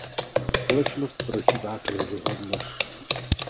Společnost prožívá krizi hodnot.